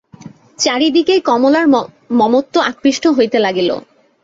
চারি দিকেই কমলার মমত্ব আকৃষ্ট হইতে লাগিল।